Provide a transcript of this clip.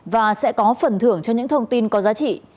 và sẽ có phần thưởng cho những thông tin có giá trị